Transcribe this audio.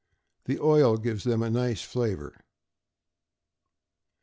The oil gives them a nice flavor.